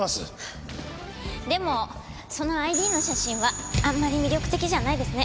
でもそのＩＤの写真はあんまり魅力的じゃないですね。